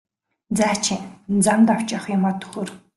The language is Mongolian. За чи замд авч явах юмаа төхөөр!